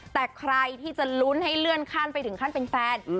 แต่ใครที่จะลุ้นให้เลื่อนขั้นไปถึงขั้นเป็นแฟน